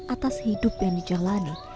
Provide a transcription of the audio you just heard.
atas hidup yang dijalankan